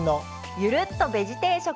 ゆるっとベジ定食。